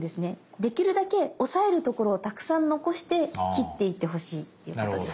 できるだけ押さえるところをたくさん残して切っていってほしいっていうことです。